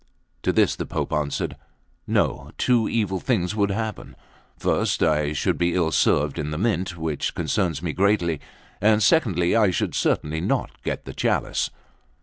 To this the Pope answered" "No; two evil things would happen: first, I should be ill served in the Mint, which concerns me greatly; and secondly, I should certainly not get the chalice."